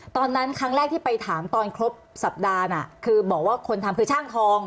ตอนนั้นครั้งแรกที่ไปถามตอนครบสัปดาห์น่ะคือบอกว่าคนทำคือช่างทอง